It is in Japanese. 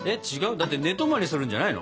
だって寝泊まりするんじゃないの？